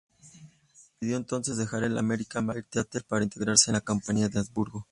Decidió entonces dejar el American Ballet Theatre, para integrarse en la compañía de Hamburgo.